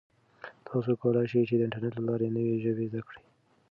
تاسو کولای شئ چې د انټرنیټ له لارې نوې ژبې زده کړئ.